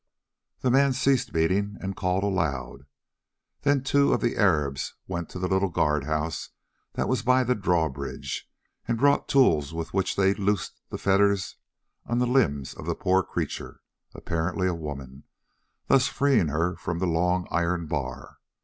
The man ceased beating and called aloud. Then two of the Arabs went to the little guard house that was by the drawbridge and brought tools with which they loosed the fetters on the limbs of the poor creature—apparently a woman—thus freeing her from the long iron bar.